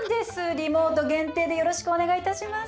リモート限定でよろしくお願いいたします。